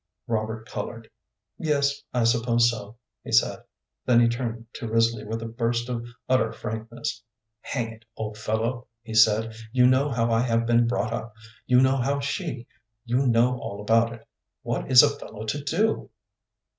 Robert colored. "Yes, I suppose so," he said. Then he turned to Risley with a burst of utter frankness. "Hang it! old fellow," he said, "you know how I have been brought up; you know how she you know all about it. What is a fellow to do?"